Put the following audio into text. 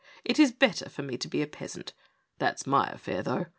It is better for me to be a peasant. That's my affair, though.